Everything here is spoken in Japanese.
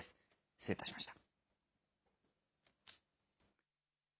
失礼いたしました。